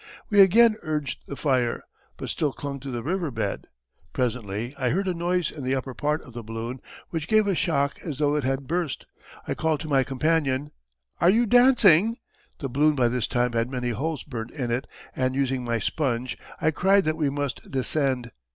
We again urged the fire, but still clung to the river bed. Presently I heard a noise in the upper part of the balloon, which gave a shock as though it had burst. I called to my companion: "Are you dancing?" The balloon by this time had many holes burnt in it and using my sponge I cried that we must descend.